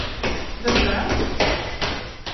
Vem där?